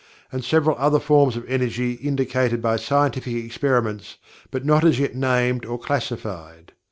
and several other forms of energy indicated by scientific experiments but not as yet named or classified.